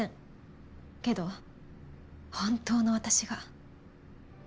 けど本当の私が。